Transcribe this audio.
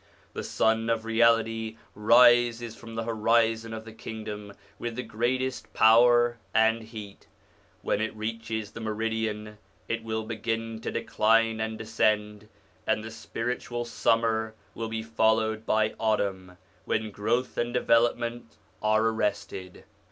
The Sun of Reality rises from the horizon of the Kingdom with the greatest power and heat. When it reaches the meridian it will begin to decline and descend, and the spiritual summer will be followed by autumn, when growth and development are arrested.